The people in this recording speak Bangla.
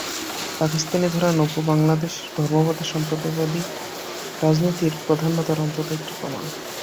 পাকিস্তানি ধারায় নব্য বাংলাদেশে ধর্মবাদী-সম্প্রদায়বাদী রাজনীতির প্রাধান্য তার অন্তত একটি প্রমাণ।